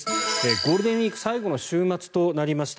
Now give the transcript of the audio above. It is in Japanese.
ゴールデンウィーク最後の週末となりました。